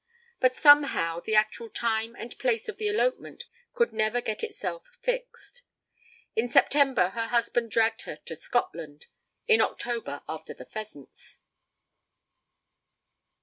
But somehow the actual time and place of the elopement could never get itself fixed. In September her husband dragged her to Scotland, in October after the pheasants.